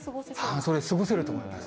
半袖で過ごせると思います。